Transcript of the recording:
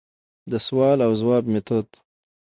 دسوال او ځواب ميتود: